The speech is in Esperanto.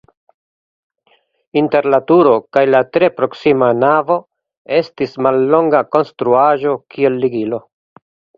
Inter la turo kaj la tre proksima navo estas mallonga konstruaĵo kiel ligilo.